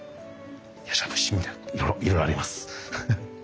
ヤシャブシみたいないろいろあります。